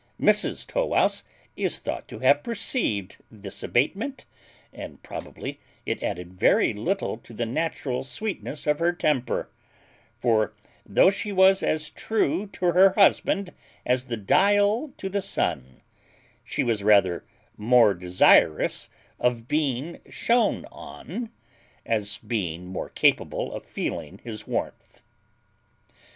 Mrs Tow wouse is thought to have perceived this abatement, and, probably, it added very little to the natural sweetness of her temper; for though she was as true to her husband as the dial to the sun, she was rather more desirous of being shone on, as being more capable of feeling his warmth.